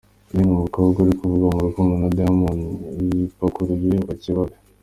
Lynn umukobwa uri kuvugwa mu rukundo na Diamond yipakuruye bakeba be.